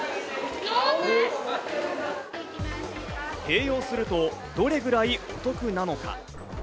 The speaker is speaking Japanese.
併用するとどれくらいお得なのか。